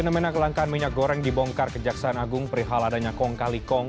fenomena kelangkaan minyak goreng dibongkar kejaksaan agung perihal adanya kong kali kong